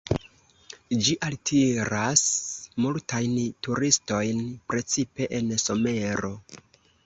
Ĝi altiras multajn turistojn, precipe en somero.